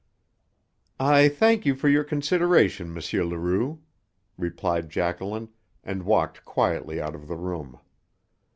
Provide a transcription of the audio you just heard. "I thank you for your consideration, M. Leroux," replied Jacqueline, and walked quietly out of the room.